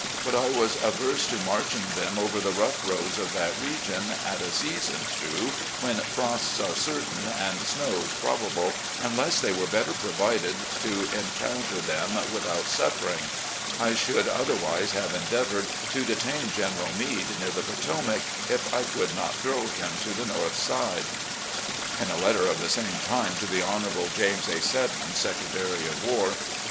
But I was averse to marching them over the rough roads of that region, at a season, too, when frosts are certain and snows probable, unless they were better provided to encounter them without suffering. I should, otherwise, have endeavoured to detain General Meade near the Potomac, if I could not throw him to the north side." In a letter of the same time to the Honourable James A. Seddon, Secretary of War